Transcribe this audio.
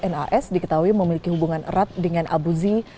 nas diketahui memiliki hubungan erat dengan abu zi